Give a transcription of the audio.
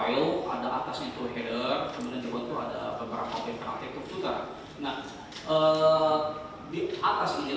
yang kedua metadata analisis